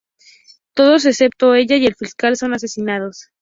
Todos excepto ella y el fiscal son asesinados.